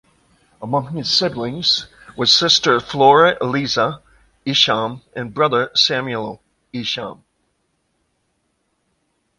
Among his siblings was sister Flora Eliza Isham and brother Samuel Isham.